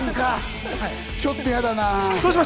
ちょっと嫌だな。